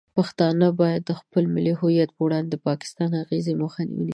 پښتانه باید د خپل ملي هویت په وړاندې د پاکستان د اغیز مخه ونیسي.